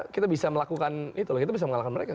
kita bisa melakukan itu loh kita bisa mengalahkan mereka